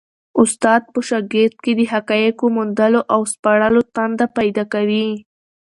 استاد په شاګرد کي د حقایقو د موندلو او سپړلو تنده پیدا کوي.